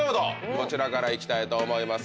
こちらからいきたいと思います。